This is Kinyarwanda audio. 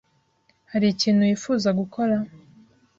Hari ikintu wifuza gukora?